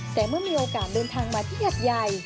แต่เมื่อมีโอกาสเดินทางมาที่หัดใหญ่